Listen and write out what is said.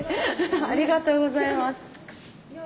ありがとうございます。